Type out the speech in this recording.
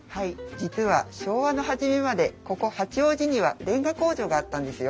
実は昭和の初めまでここ八王子にはれんが工場があったんですよ。